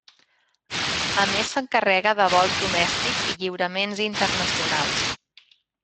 A més s'encarrega de vols domèstics i lliuraments internacionals.